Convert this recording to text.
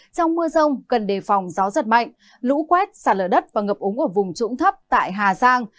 trong mưa rông cần đề phòng gió giật mạnh lũ quét xả lở đất và ngập úng ở vùng trũng thấp tại hà giang